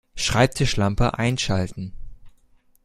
Schreibtischlampe einschalten